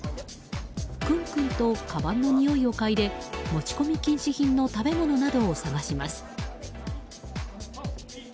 クンクンとかばんのにおいを嗅いで持ち込み禁止品の食べ物などを探します。